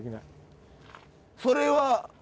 それは。